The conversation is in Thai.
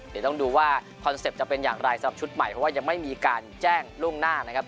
เดี๋ยวต้องดูว่าคอนเซ็ปต์จะเป็นอย่างไรสำหรับชุดใหม่เพราะว่ายังไม่มีการแจ้งล่วงหน้านะครับ